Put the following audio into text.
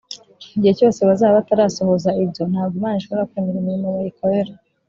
igihe cyose bazaba batarasohoza ibyo, ntabwo imana ishobora kwemera imirimo bayikorera